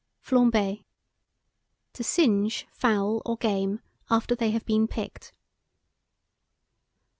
FLAMBER. To singe fowl or game, after they have been picked.